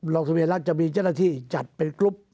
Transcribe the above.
ลงทะเบียนแล้วจะมีเจ้าหน้าที่จัดเป็นกรุ๊ป